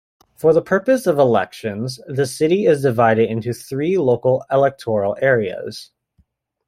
For the purpose of elections the city is divided into three local electoral areas.